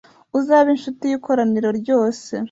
Uzabe incuti y’ikoraniro ryose